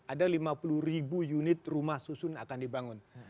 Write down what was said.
ada lima puluh ribu unit rumah susun akan dibangun